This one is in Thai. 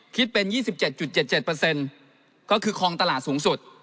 คิดเป็น๒๗๗ก็คือคลองตลาดสูงสุด